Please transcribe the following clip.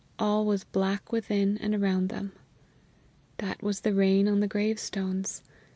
All was black within and around them. That was the rain on the gravestones.